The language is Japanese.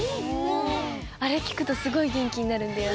あれきくとすごいげんきになるんだよね。